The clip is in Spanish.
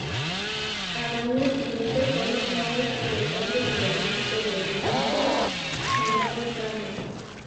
Al año siguiente fue nombrado secretario del obispo de Lecce, Gennaro Trama.